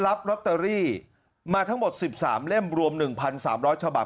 รับลอตเตอรี่มาทั้งหมด๑๓เล่มรวม๑๓๐๐ฉบับ